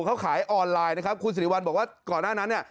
เขาขายออนไลน์นะครับคุณสิริวัลบอกว่าก่อนหน้านั้นเนี่ย